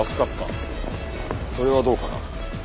それはどうかな？